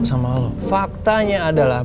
sama lo faktanya adalah